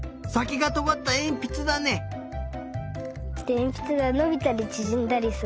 でえんぴつがのびたりちぢんだりする。